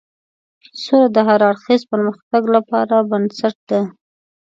سوله د هر اړخیز پرمختګ لپاره بنسټ ده.